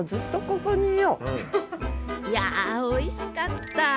いやおいしかった！